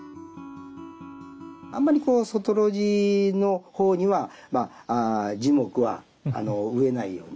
あんまりこう外露地の方には樹木は植えないように。